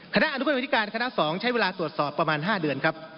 คณะอนุกรรมธิการคณะ๒ใช้เวลาตรวจสอบประมาณ๕เดือนครับ